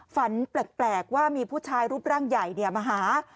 ฝันแปลกว่ามีผู้ชายรูปร่างใหญ่มาหา